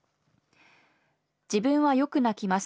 自分はよく泣きます。